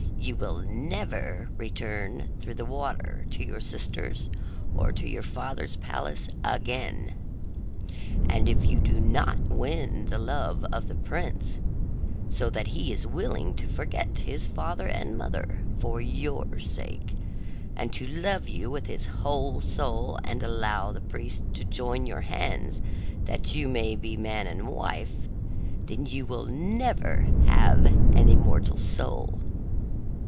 You will never return through the water to your sisters or to your father's palace again. And if you do not win the love of the prince, so that he is willing to forget his father and mother for your sake and to love you with his whole soul and allow the priest to join your hands that you may be man and wife, then you will never have an immortal soul.